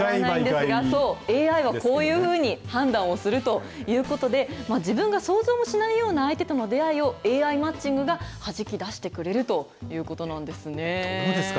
ＡＩはこういうふうに判断をするということで、自分が想像もしないような相手との出会いをＡＩマッチングが、はじき出してくれるということなんですね。